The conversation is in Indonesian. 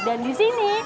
dan di sini